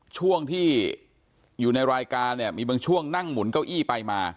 ช่วงที่อยู่ในรายการเนี่ยมีบางช่วงนั่งหมุนเก้าอี้ไปมา